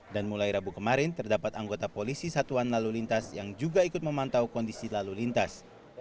dan mulai rabu kemarin terdapat anggota polisi satuan lalu lintas yang juga ikut memantau kondisi lalu lintas